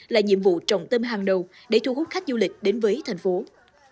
là nhiệm vụ trọng tâm hàng đầu để thu hút khách du lịch đến với tp hcm